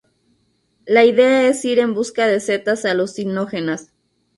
La idea es ir en busca de setas alucinógenas.